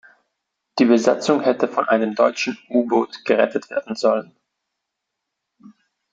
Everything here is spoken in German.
Die Besatzung hätte von einem deutschen U-Boot gerettet werden sollen.